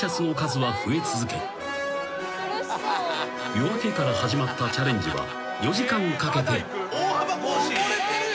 ［夜明けから始まったチャレンジは４時間かけて］